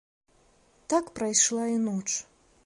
Так прайшла і ноч.